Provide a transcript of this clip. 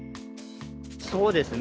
そうですね